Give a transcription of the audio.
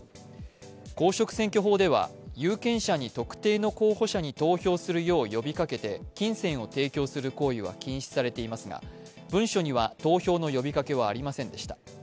公職選挙法では有権者に、特定の候補者に投票するよう呼びかけて金銭を提供する行為は禁止されていますが文書には投票の呼びかけはありませんでした。